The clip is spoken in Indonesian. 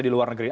di luar negeri